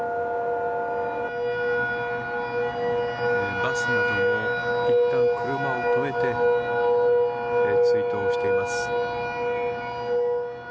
バスもいったん、車を止めて追悼しています。